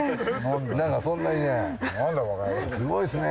なんかそんなにね。